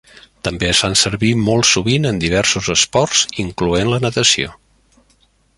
També es fan servir molt sovint en diversos esports incloent la natació.